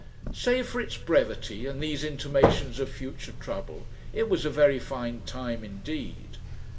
Save for its brevity and these intimations of future trouble it was a very fine time indeed.